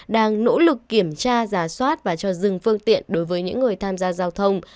đang nỗ lực kiểm tra giả soát và cho dừng phương tiện đối với những người tham gia giao thông